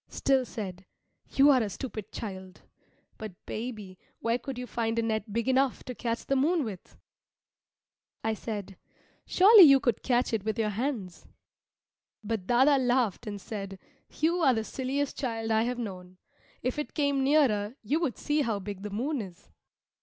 Still said, "You are a stupid child! But, baby, where could you find a net big enough to catch the moon with?" I said, "Surely you could catch it with your hands." But dâdâ laughed and said, "You are the silliest child I have known. If it came nearer, you would see how big the moon is."